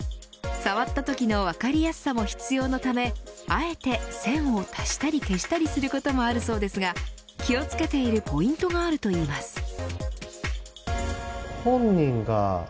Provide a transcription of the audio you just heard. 触ったときの分かりやすさも必要なためあえて線を足したり消したりすることもあるそうですが、気を付けているポイントがあるといいます。